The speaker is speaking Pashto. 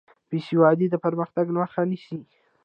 بېسوادي د پرمختګ مخه نیسي.